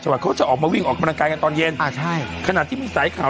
วัดเขาจะออกมาวิ่งออกกำลังกายกันตอนเย็นอ่าใช่ขณะที่มีสายข่าว